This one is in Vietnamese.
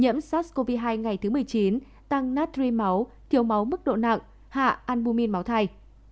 nhiễm sars cov hai ngày thứ một mươi chín tăng nát ri máu thiếu máu mức độ nặng hạ albumin máu thai